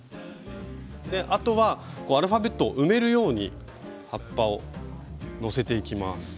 あとはアルファベットを埋めるように葉っぱを載せていきます。